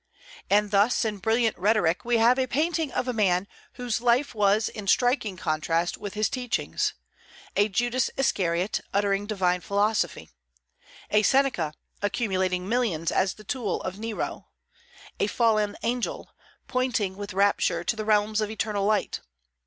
And thus in brilliant rhetoric we have a painting of a man whose life was in striking contrast with his teachings, a Judas Iscariot, uttering divine philosophy; a Seneca, accumulating millions as the tool of Nero; a fallen angel, pointing with rapture to the realms of eternal light.